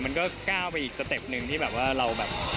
มันก็ก้าวไปอีกสเต็ปหนึ่งที่แบบว่าเราแบบ